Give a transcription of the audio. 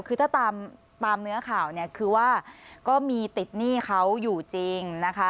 คือถ้าตามเนื้อข่าวเนี่ยคือว่าก็มีติดหนี้เขาอยู่จริงนะคะ